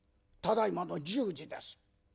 ただいまの１０時です。